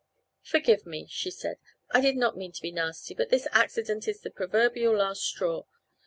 "Forgive me," she said. "I did not mean to be nasty, but this accident is the proverbial last straw.